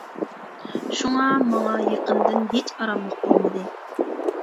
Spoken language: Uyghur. شۇڭا ماڭا يېقىندىن، ھېچ ئاراملىق بولمىدى.